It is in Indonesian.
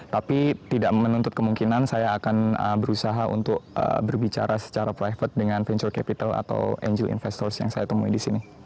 tapi tidak menuntut kemungkinan saya akan berusaha untuk berbicara secara private dengan venture capital atau angel investor yang saya temui di sini